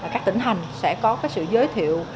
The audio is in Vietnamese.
các tỉnh hành sẽ có cái sự giới thiệu